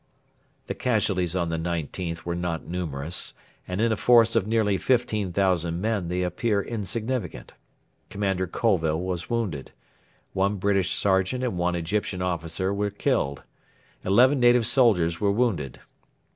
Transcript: The casualties on the 19th were not numerous, and in a force of nearly 15,000 men they appear insignificant. Commander Colville was wounded. One British sergeant and one Egyptian officer were killed. Eleven native soldiers were wounded.